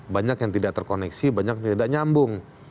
banyak yang tidak terkoneksi banyak yang tidak nyambung